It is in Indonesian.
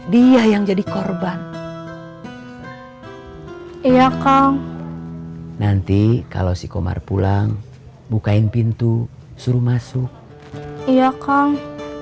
dia yang jadi korban iya kang nanti kalau si komar pulang bukain pintu suruh masuk iya kang